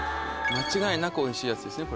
間違いなくおいしいやつですね